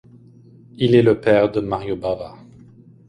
Il est le père de Mario Bava.